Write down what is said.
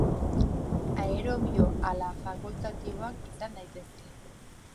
Aerobio ala fakultatiboak izan daitezke.